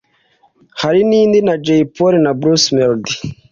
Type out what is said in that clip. hari n’indi na Jay Polly na Bruce Melody